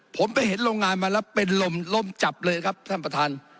ผมไปเห็นโรงงานมาแล้วเป็นลมลมจับเลยครับท่านประธาน